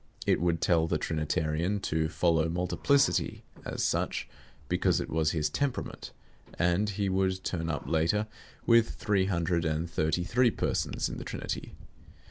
It would tell the Trinitarian to follow multiplicity as such (because it was his "temperament"), and he would turn up later with three hundred and thirty three persons in the Trinity.